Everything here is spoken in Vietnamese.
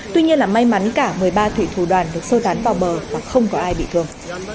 tuy nhiên là may mắn cả một mươi ba thủy thủ đoàn được sơ tán vào bờ và không có ai bị thương